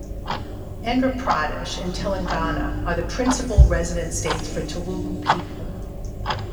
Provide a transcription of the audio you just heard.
Andhra Pradesh and Telangana are the principle resident states for Telugu people.